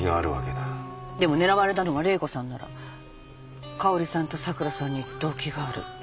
でも狙われたのが玲子さんなら香織さんと桜さんに動機がある。